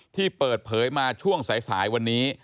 ที่เปิดเผยมาช่วงสายวันนี้